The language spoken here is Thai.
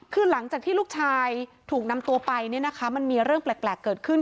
คือหลังจากที่ลูกชายถูกนำตัวไปมันมีเรื่องแปลกเกิดขึ้น